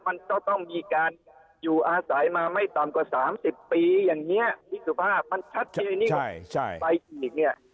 มันก็ต้องมีการอยู่อาสายมาไม่ต่ำกว่า๓๐ปี